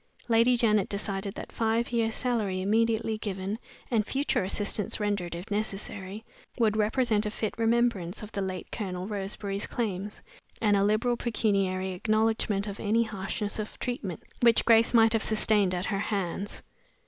Lady Janet decided that five years' salary immediately given, and future assistance rendered if necessary, would represent a fit remembrance of the late Colonel Roseberry's claims, and a liberal pecuniary acknowledgment of any harshness of treatment which Grace might have sustained at her hands.